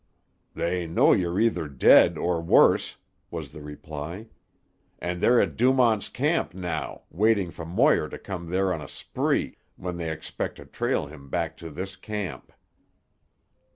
"They know you're either dead or worse," was the reply. "And they're at Dumont's Camp now, waiting for Moir to come there on a spree, when they expect to trail him back to this camp."